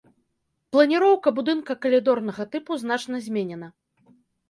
Планіроўка будынка калідорнага тыпу значна зменена.